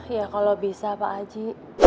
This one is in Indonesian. ya kalau bisa pak haji